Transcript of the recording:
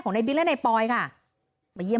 คุยกับตำรวจเนี่ยคุยกับตำรวจเนี่ย